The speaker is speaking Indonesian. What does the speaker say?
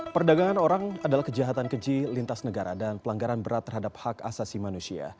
perdagangan orang adalah kejahatan keji lintas negara dan pelanggaran berat terhadap hak asasi manusia